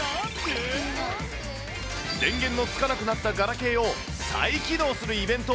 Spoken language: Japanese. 電源のつかなくなったガラケーを再起動するイベント。